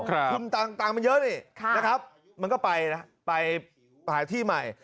ครับที่มันต่างต่างมันเยอะนี่ครับมันก็ไปนะไปหาที่ใหม่